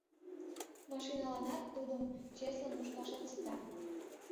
Машиналанат, тудым чеслын мушкашат сита.